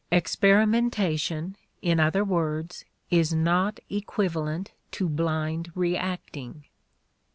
Experimentation, in other words, is not equivalent to blind reacting.